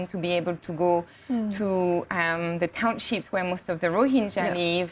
untuk bisa pergi ke kota kota di mana sebagian besar orang rohingya tinggal